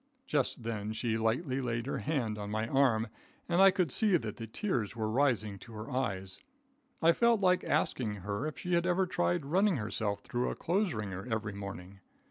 Just then she lightly laid her hand on my arm, and I could see that the tears were rising to her eyes. I felt like asking her if she had ever tried running herself through a clothes wringer every morning?